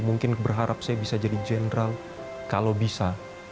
mungkin berharap saya bisa jadi general kalau bisa